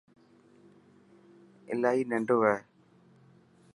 الاهي ننڊو هي.